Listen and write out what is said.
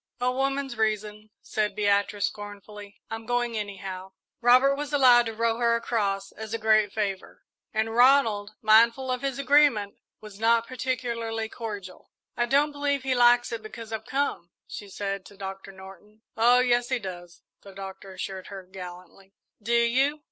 "A woman's reason," said Beatrice, scornfully. "I'm going, anyhow." Robert was allowed to row her across, as a great favour; and Ronald, mindful of his agreement, was not particularly cordial. "I don't believe he likes it because I've come," she said, to Doctor Norton. "Oh, yes, he does," the Doctor assured her, gallantly. "Do you?"